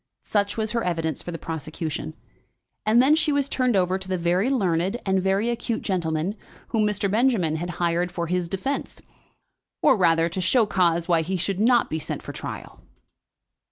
Such was her evidence for the prosecution, and then she was turned over to the very learned and very acute gentleman whom Mr. Benjamin had hired for his defence, or rather, to show cause why he should not be sent for trial.